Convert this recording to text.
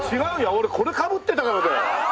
俺これかぶってたからだよ！